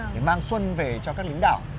để mang xuân về cho các lính đảo